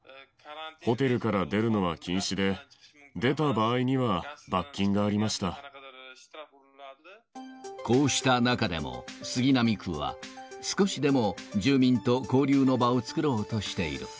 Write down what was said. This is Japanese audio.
ホテルから出るのは禁止で、こうした中でも、杉並区は、少しでも住民と交流の場を作ろうとしている。